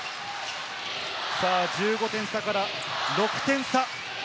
１５点差から６点差。